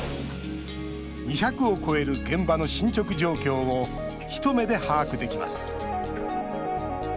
２００を超える現場の進捗状況を一目で把握できます。